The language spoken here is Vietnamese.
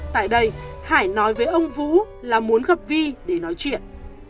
tại đây hải nói với ông vũ là muốn gặp vi để nói chuyện